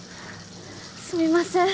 すみません